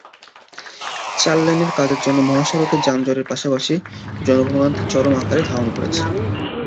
চার লেনের কাজের জন্য মহাসড়কে যানজটের পাশাপাশি জনভোগান্তি চরম আকার ধারণ করেছে।